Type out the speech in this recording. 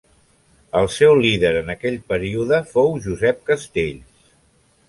El seu líder en aquell període fou Josep Castells.